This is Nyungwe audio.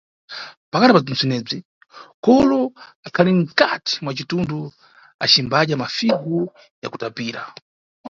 Pakati pa bzentsenebzi, kolo akhali mkati mwa citundu acimbadya mafigu yakutapira.